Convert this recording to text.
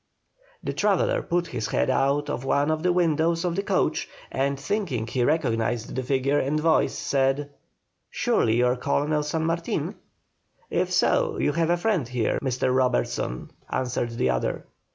The traveller put his head out of one of the windows of the coach, and thinking he recognized the figure and voice, said: "Surely you are Colonel San Martin?" "If so, you have a friend here, Mr. Robertson," answered the other.